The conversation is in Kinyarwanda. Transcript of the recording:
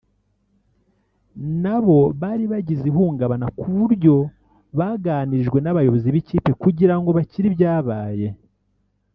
nabo bari bagize ihungabana ku buryo baganirijwe n’abayobozi b’ikipe kugira ngo bakire ibyabaye